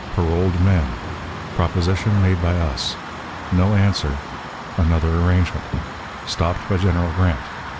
Paroled Men. Proposition made by us. No Answer. Another Arrangement. Stopped by General Grant.